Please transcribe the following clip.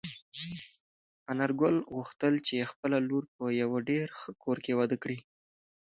انارګل غوښتل چې خپله لور په یوه ډېر ښه کور کې واده کړي.